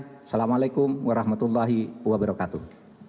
assalamu'alaikum warahmatullahi wabarakatuh